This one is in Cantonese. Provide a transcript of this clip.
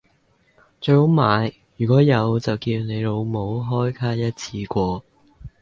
最好買如果有就叫你老母開卡一次過